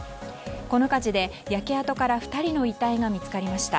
この火事で焼け跡から２人の遺体が見つかりました。